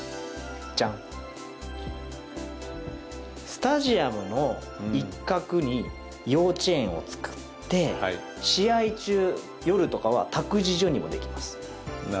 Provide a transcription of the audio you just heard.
スタジアムの一角に幼稚園を作って試合中、夜とかは託児所にもできます。